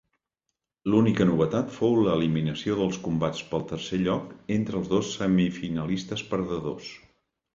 L'única novetat fou l'eliminació dels combats pel tercer lloc entre els dos semifinalistes perdedors.